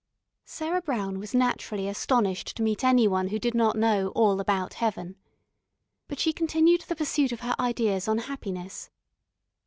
Sarah Brown was naturally astonished to meet any one who did not know all about heaven. But she continued the pursuit of her ideas on happiness.